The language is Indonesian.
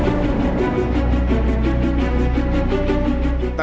mencari jalan yang lebih jauh